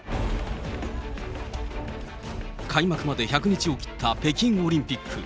開幕まで１００日を切った北京オリンピック。